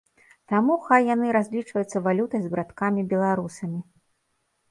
Таму хай яны разлічваюцца валютай з браткамі-беларусамі.